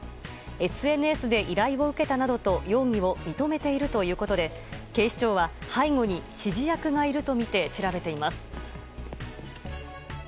ＳＮＳで依頼を受けたなどと容疑を認めているということで警視庁は背後に指示役がいるとみて調べています。